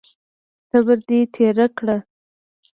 تبر دې تېره کړه!